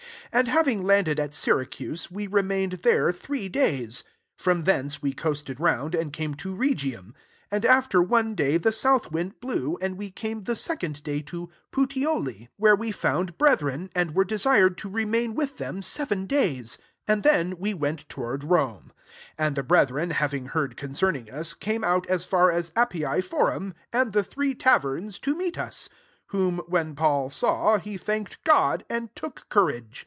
f 12 And having landed at Syracuse, we remained there three days. 13 From thence we coasted round, and came to Rhegium : and after one day the south wind blew, and we came the second day to Puteoli: 14 where we * Now called Malta. 22 t Gr. AioorJtovfWf ChiMrtn ^Jufiiter. 250 ACTS xxviir. found brethren, and were de sired to remain with them seven days : and then we went toward Rome. 15 And the brethren hav ing heard concerning us, came out as far as Appii forum,* and the Three taverns,* to meet us : whom when Paul saw, he thanked God, and took courage.